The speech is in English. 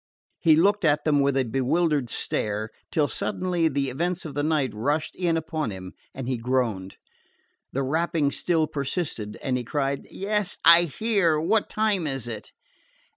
He looked at them with a bewildered stare, till suddenly the events of the night rushed in upon him, and he groaned. The rapping still persisted, and he cried: "Yes, I hear. What time is it?"